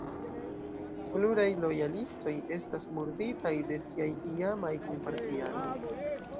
Pluraj lojalistoj estas murditaj de siaj iamaj kunpartianoj.